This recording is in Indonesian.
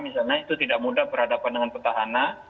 misalnya itu tidak mudah berhadapan dengan petahana